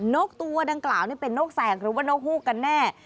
นกตัวดังกล่าวนี่เป็นนกแสกหรือว่านกฮูกกันแน่